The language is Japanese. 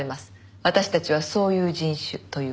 私たちはそういう人種という事です。